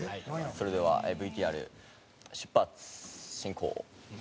それではＶＴＲ出発進行。